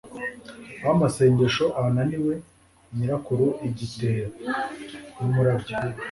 aho amasengesho ananiwe - nyirakuru igitebo! n'umurabyo